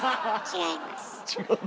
違います。